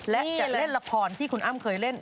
และจะเล่นละครที่คุณอ้ำเคยเล่น